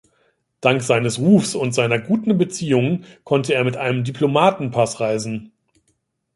Dank seines Rufs und seiner guten Beziehungen konnte er mit einem Diplomatenpass reisen.